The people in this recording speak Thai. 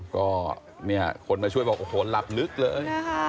ก็เนี่ยคนมาช่วยบอกโอ้โหหลับลึกเลย